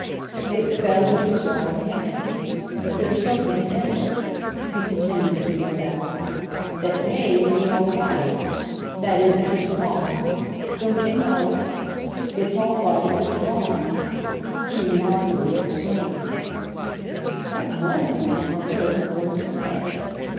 "It fell into the wrong hands. But there's something in it," he continued to blurt out, "that may be all right. That is, if it's wrong, don't you know? It's all right if it's wrong," he remarkably explained. What was he, on earth, going to say?